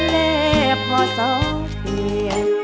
และพอสอบเปลี่ยน